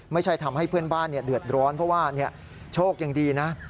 ไม่ใช่ทำให้เพื่อนบ้านเดือดร้อนเพราะว่าโชคยังดีนะ